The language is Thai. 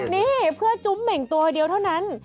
นี่เพื่อจุ้มเหม่งตัวเดียวเท่านั้น